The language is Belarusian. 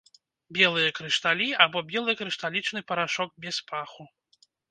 Белыя крышталі або белы крышталічны парашок без паху.